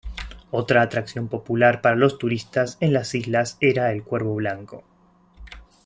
Otra atracción popular para los turistas en las islas era el "Cuervo Blanco".